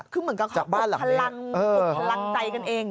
คือเหมือนกันเขาอุดพลังใจกันเอง